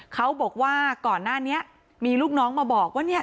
เขาบอกว่าก่อนหน้านี้มีลูกน้องมาบอกว่าเนี่ย